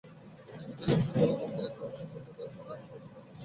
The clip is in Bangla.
একটি টেলিভিশনে গুরুগম্ভীর একটি অনুষ্ঠান চলছে, তাতে শিশুদের কোনো মনোযোগ নেই।